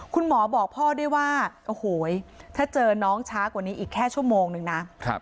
คุณหมอบอกพ่อด้วยว่าโอ้โหถ้าเจอน้องช้ากว่านี้อีกแค่ชั่วโมงนึงนะ